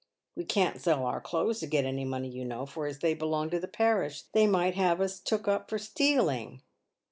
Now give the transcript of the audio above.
" "We can't sell our clothes to get any money, you know, for, as they belong to the parish, they might have us took up for stealing."